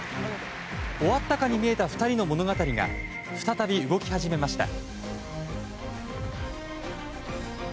終わったかに見えた２人の物語が再び動き始めました。